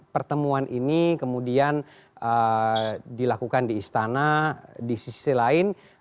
pertemuan ini kemudian dilakukan di istana di sisi lain